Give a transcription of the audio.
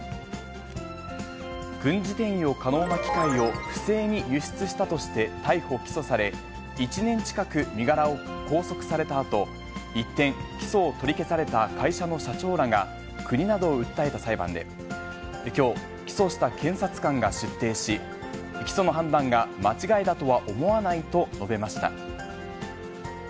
軍事転用可能な機械を、不正に輸出したとして逮捕・起訴され、１年近く身柄を拘束されたあと、一転、起訴を取り消された会社の社長らが、国などを訴えた裁判で、きょう、起訴した検察官が出廷し、起訴の判断が間違いだとは思わないと述べました。